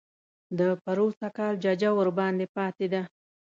د پروسږ کال ججه درباندې پاتې ده.